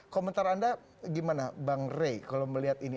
komentar anda gimana bang rey kalau melihat ini